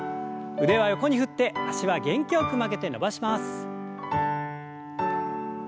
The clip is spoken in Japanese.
腕は横に振って脚は元気よく曲げて伸ばします。